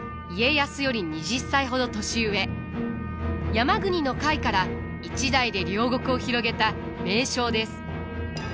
山国の甲斐から一代で領国を広げた名将です。